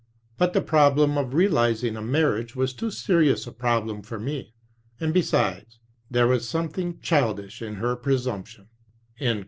But the problem of realizing a marriage was too serious a problem for me, and besides, there was something childish in her presumption."